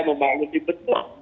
memang lebih betul